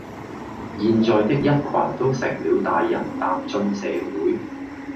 現在的一群都成了大人踏進社會